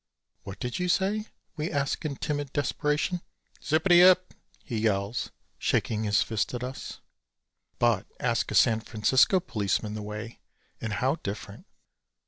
"What did you say?" we ask in timid desperation. "Zippity ip," he yells, shaking his fist at us. But ask a San Francisco policeman the way and how different.